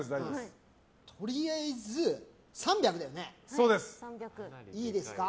とりあえず、３００だよね。